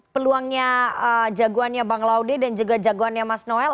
peluangnya jagoannya bang laude dan juga jagoannya mas noel